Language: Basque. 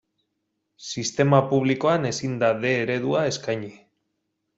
Sistema publikoan ezin da D eredua eskaini.